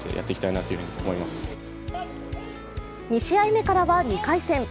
２試合目からは２回戦。